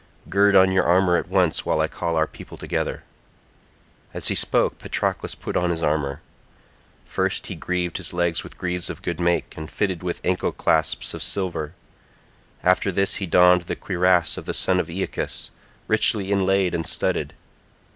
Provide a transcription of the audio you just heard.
Gird on your armour at once while I call our people together." As he spoke Patroclus put on his armour. First he greaved his legs with greaves of good make, and fitted with ancle clasps of silver; after this he donned the cuirass of the son of Aeacus, richly inlaid and studded.